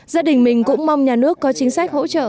gia đình mình cũng mong nhà nước có chính sách hỗ trợ